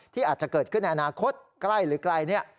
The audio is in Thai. ที่อาจจะเกิดขึ้นในอนาคตใกล้หรือไกล